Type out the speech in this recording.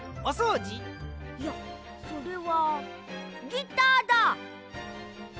いやそれはギターだ！